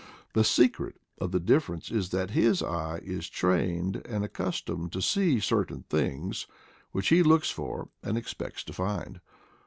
The secret of the differ ence is that his eye is trained and accustomed to see certain things, which he looks for and expects to find.